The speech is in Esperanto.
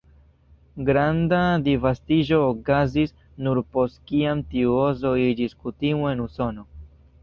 Granda disvastiĝo okazis nur post kiam tiu uzo iĝis kutimo en Usono.